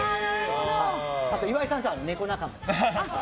あと岩井さんとは猫仲間です。